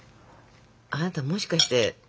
あなたもしかして？